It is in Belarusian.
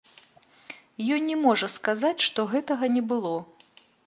Ён не можа сказаць, што гэтага не было.